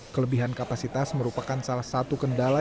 kelebihan kapasitas merupakan salah satu kendala